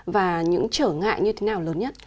và những trở ngại như thế nào lớn nhất